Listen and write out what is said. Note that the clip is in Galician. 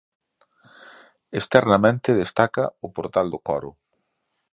Externamente destaca o portal do coro.